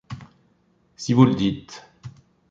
Si vous le dites…